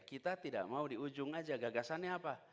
kita tidak mau di ujung aja gagasannya apa